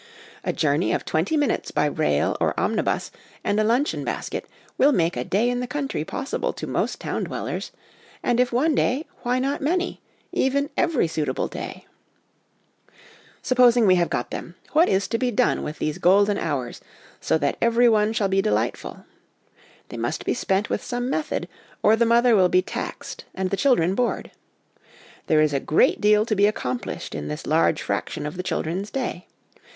A journey of twenty minutes by rail or omni bus, and a luncheon basket, will make a day in the country possible to most town dwellers ; and if one day, why not many, even every suitable day ? Supposing we have got them, what is to be done with these golden hours, so that every one shall be delightful ? They must be spent with some method, or the mother will be taxed and the children bored. There is a great deal to be accomplished in this large fraction of the children's day.